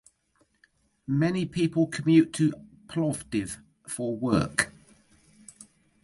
Many people commute to Plovdiv for work.